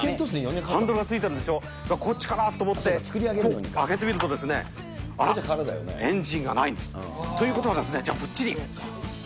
ハンドルはついてるんですよ、こっちかなと思って、開けてみるとですね、あっ、エンジンがないんです。ということはですね、じゃあ、こっちに。